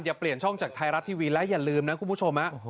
เปลี่ยนช่องจากไทยรัฐทีวีและอย่าลืมนะคุณผู้ชม